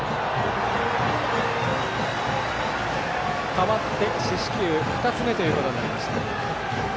代わって四死球２つ目となりました。